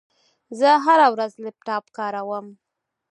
زه هره ورځ لپټاپ کاروم.